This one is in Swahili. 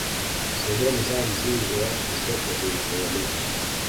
Sehemu za mzingo wa kasoko ziliporomoka